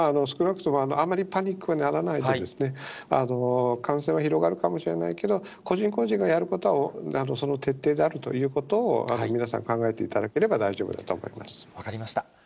少なくともあまりパニックにならないで、感染は広がるかもしれないけど、個人個人がやることは、その徹底であるということを、皆さんに考えていただければ大丈分かりました。